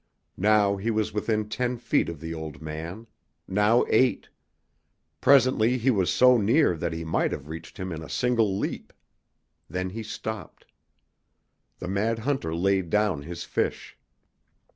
Now he was within ten feet of the old man, now eight, presently he was so near that he might have reached him in a single leap. Then he stopped. The mad hunter laid down his fish.